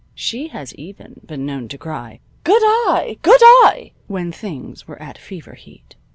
She has even been known to cry, "Good eye! Good eye!" when things were at fever heat.